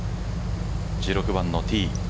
１６番のティー。